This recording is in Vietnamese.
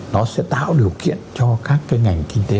nó sẽ tạo điều kiện cho các cái ngành kinh tế